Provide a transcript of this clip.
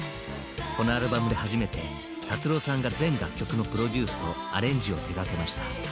このアルバムで初めて達郎さんが全楽曲のプロデュースとアレンジを手がけました。